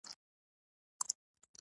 د بنګ او کامرود د فتح کولو لپاره.